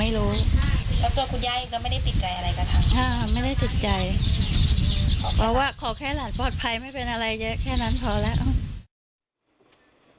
เราว่าขอแค่หลานปลอดภัยไม่เป็นอะไรเยอะแค่นั้นพอแล้ว